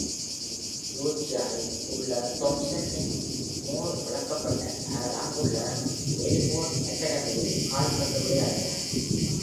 Georgia இல் உள்ள Thomson இல் Mohr வளர்க்கப்பட்டார். அவர் அங்குள்ள Briarwood Academy இல் கால்பந்து விளையாடினார்.